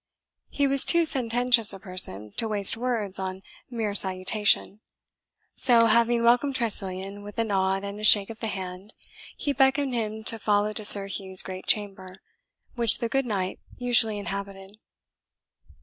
He was too sententious a person to waste words on mere salutation; so, having welcomed Tressilian with a nod and a shake of the hand, he beckoned him to follow to Sir Hugh's great chamber, which the good knight usually inhabited.